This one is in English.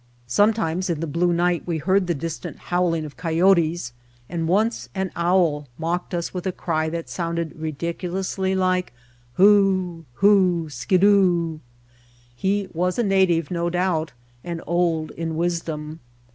Sometimes in the blue night we heard the distant howling of coyotes, and once an owl mocked us with a cry that sounded ridicu lously like "Hoo, Hoo, SkidooT' He was a na tive, no doubt, and old in wisdom.